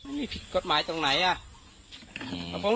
ไม่มีผิดกฎหมายตรงไหน